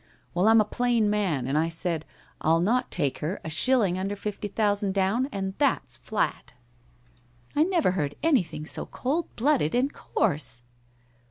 Well, I'm a plain man, and I said, I'll not take her a shilling under fifty thousand down, and that's flat !'' I never heard anything so cold blooded and coarse